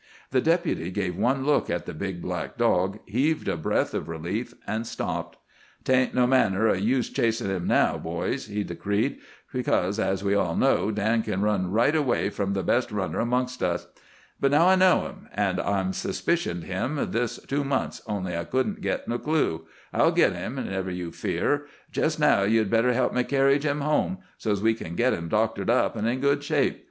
The Deputy gave one look at the big black dog, heaved a breath of relief, and stopped. "'Tain't no manner o' use chasin' him now, boys," he decreed, "because, as we all know, Dan kin run right away from the best runner amongst us. But now I know him—an' I've suspicioned him this two month, only I couldn't git no clue—I'll git him, never you fear. Jest now, ye'd better help me carry Jim home, so's we kin git him doctored up in good shape.